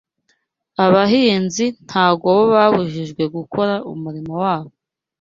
Abahinzi ntago bo babujijwe gukora umurimo wabo